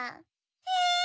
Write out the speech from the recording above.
え！